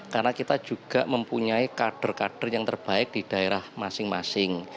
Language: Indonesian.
karena kita juga mempunyai kader kader yang terbaik di daerah masing masing